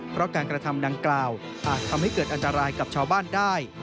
เพราะการกระทำดังกล่าวอาจทำให้เกิดอันตรายกับชาวบ้านได้